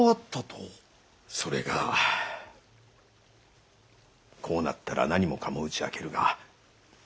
それがこうなったら何もかも打ち明けるが。